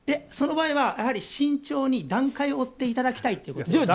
その場合は、やはり慎重に段階を追っていただきたいということです。